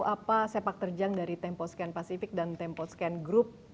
apa sepak terjang dari tempo scan pacific dan tempo scan group